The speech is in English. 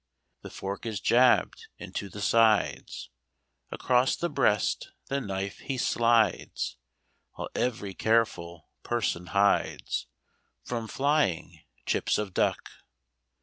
The fork is jabbed into the sides Across the breast the knife he slides While every careful person hides From flying chips of duck.